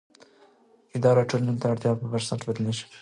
اداره د ټولنې د اړتیاوو پر بنسټ بدلېږي.